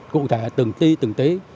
cụ thể từng tí từng tí